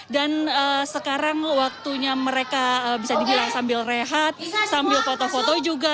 dan sekarang waktunya mereka bisa dibilang sambil rehat sambil foto foto juga